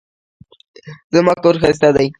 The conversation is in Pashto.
زما کور ښايسته دی